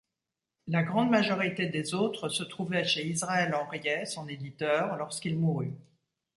La grande majorité des autres se trouvait chez Israël Henriet, son éditeur, lorsqu'il mourut.